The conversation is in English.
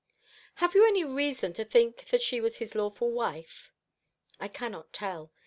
"Have you any reason to think that she was his lawful wife?" "I cannot tell.